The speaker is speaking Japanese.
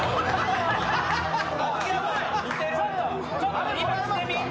ちょっと今着てみ。